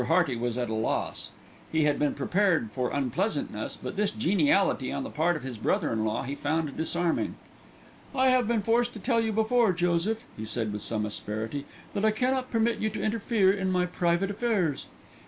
Hearty was at a loss. He had been prepared for unpleasantness; but this geniality on the part of his brother in law he found disarming. "I have been forced to tell you before, Joseph," he said with some asperity, "that I cannot permit you to interfere in my private affairs."